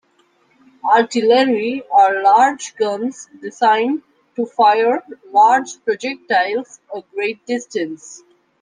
"Artillery" are large guns designed to fire large projectiles a great distance.